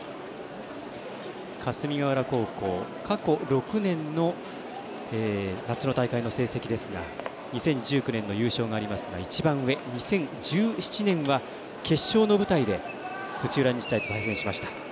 霞ヶ浦高校、過去６年の夏の大会の成績ですが２０１９年の優勝がありますが１番上、２０１７年は決勝の舞台で土浦日大と対戦しました。